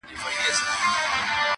د غم قصه سړی خورا مات کړي،